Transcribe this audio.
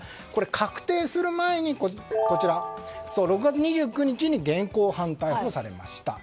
確定する前に、６月２９日に現行犯逮捕されました。